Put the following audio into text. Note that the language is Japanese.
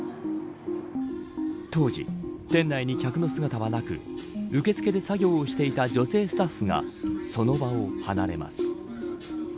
当時、店内に客の姿はなく受け付けで作業をしていた女性スタッフがその場を離れます。